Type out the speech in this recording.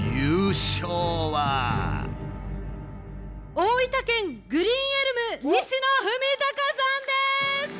大分県グリーンエルム西野文貴さんです！